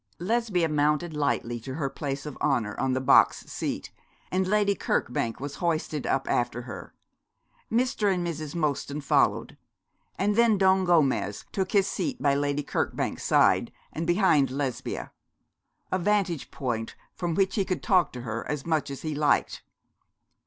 Lesbia mounted lightly to her place of honour on the box seat; and Lady Kirkbank was hoisted up after her. Mr. and Mrs. Mostyn followed; and then Don Gomez took his seat by Lady Kirkbank's side and behind Lesbia, a vantage point from which he could talk to her as much as he liked.